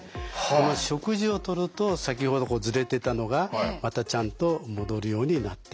この食事をとると先ほどズレてたのがまたちゃんと戻るようになってくると。